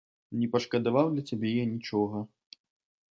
Не пашкадаваў для цябе я нічога.